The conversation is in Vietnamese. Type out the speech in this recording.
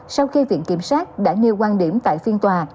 sau khi viện kiểm soát đã nhiều quan điểm tại phiên tòa